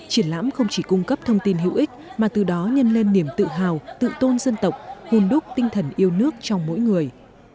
triển lãm không chỉ cung cấp thông tin hữu ích mà từ đó nhân lên niềm tự hào tự tôn dân tộc hùn đúc tinh thần yêu nước trong mỗi người